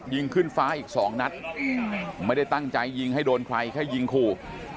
ยิงขึ้นฟ้าอีกสองนัดไม่ได้ตั้งใจยิงให้โดนใครแค่ยิงขู่